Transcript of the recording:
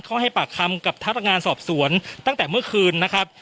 เขาให้ปากคำกับพนักงานสอบสวนตั้งแต่เมื่อคืนนะครับ